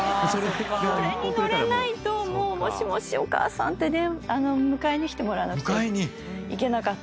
それに乗れないともうもしもしお母さんって迎えに来てもらわなくちゃいけなかったから。